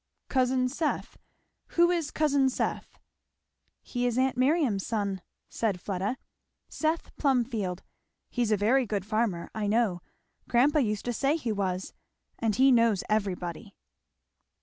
"Cousin Seth? who is cousin Seth?" "He is aunt Miriam's son," said Fleda. "Seth Plumfield. He's a very good farmer, I know; grandpa used to say he was; and he knows everybody."